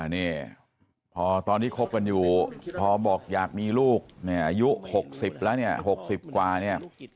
นี่พอตอนนี้คบกันอยู่พอบอกอยากมีลูกอายุหกสิบแล้วเนี่ยหกสิบกว่าเนี่ย